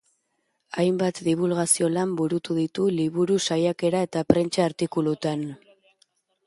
Hainbat dibulgazio lan burutu ditu liburu, saiakera eta prentsa-artikulutan.